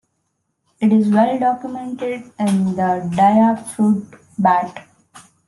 It is well documented in the Dayak fruit bat.